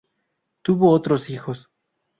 Tuvo otros hijos.